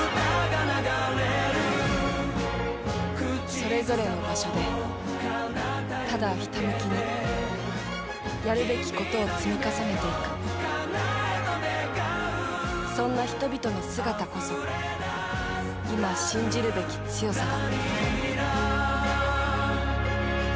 それぞれの場所でただひたむきにやるべきことを積み重ねていくそんな人々の姿こそ今、信じるべき強さだ。